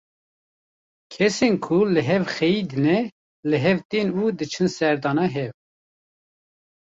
Kesên ku ji hev xeyidîne li hev tên û diçin serdana hev.